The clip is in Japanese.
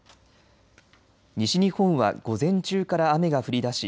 西日本は午前中から雨が降りだし